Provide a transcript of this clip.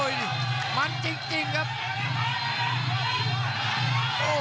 คมทุกลูกจริงครับโอ้โห